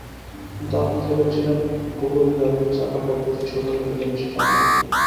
কিন্তু আপনি যে বলছিলেন গোরুর গাড়ির চাকা প্রভৃতি ছোটো ছোটো জিনিস– চন্দ্র।